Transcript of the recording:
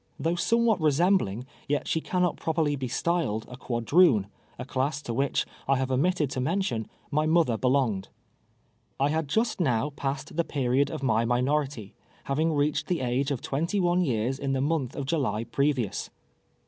Though somewhat resembling, yet she cannot properly be styled a quadroon, a class to which, I have omitted to mention, my mother belonged. I had just now passed the period of my minority, having reached the age of twenty one years in the month of July previous.